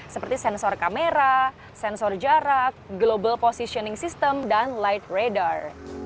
seperti sensor kamera sensor jarak global positioning system dan light radar